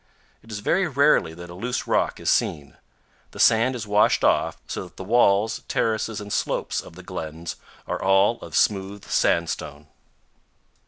It is very rarely that a loose rock is seen. The sand is washed off, so that the walls, terraces, and slopes of the glens are all of smooth sandstone.